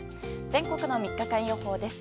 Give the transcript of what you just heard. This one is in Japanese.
全国の３日間予報です。